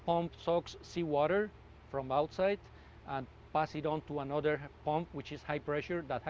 pemumpung satu itu mengisi air laut dari luar dan beri ke pempung lain yang berat